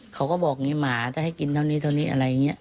เขาก็บอกอย่างนี้หมาถ้าให้กินเท่านี้เท่านี้อะไรอย่างนี้